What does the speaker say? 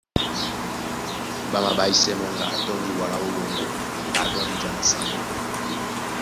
Ɓá maɓáísɛ́ mɔ́ ŋga a tɔ́ndi wala ó loŋgó ŋga a tɔ́ndi ja na sáŋgó.